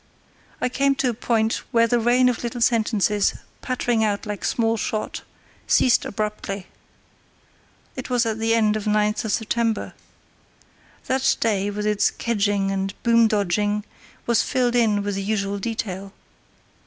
I came to a point where the rain of little sentences, pattering out like small shot, ceased abruptly. It was at the end of September 9. That day, with its "kedging" and "boom dodging", was filled in with the usual detail.